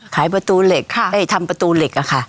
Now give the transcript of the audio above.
ขายประตูเหล็กทำประตูเหล็กอะค่ะ